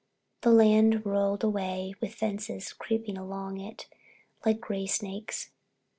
The land rolled away with fences creeping across it like gray snakes.